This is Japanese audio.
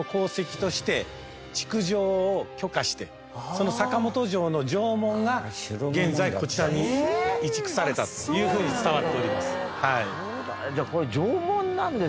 その坂本城の城門が現在こちらに移築されたというふうに伝わっております。